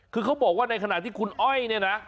คือเขาบอกว่าในขณะที่คุณอ้อยเนี่ยนะ